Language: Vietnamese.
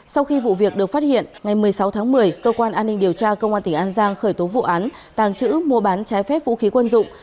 sau khi vụ việc được phát hiện ngày một mươi sáu tháng một mươi cơ quan an ninh điều tra công an tỉnh an giang khởi tố vụ án tàng trữ mua bán trái phép vũ khí quân dụng